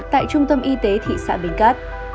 tại trung tâm y tế thị xã bến cát